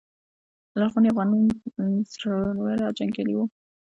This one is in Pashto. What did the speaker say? لرغوني افغانان زړور او جنګیالي وو